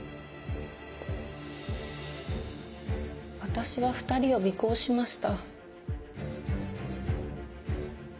私は２人を尾行しました。